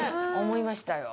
思いましたよ。